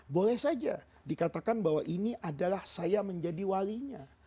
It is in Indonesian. boleh saja dikatakan bahwa ini adalah saya menjadi walinya